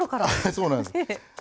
そうなんです。